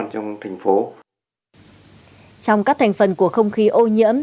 trong các thành phần của không khí ô nhiễm